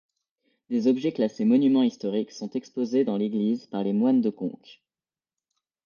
Des objets classés monuments historiques sont exposés dans l'église par les moines de Conques.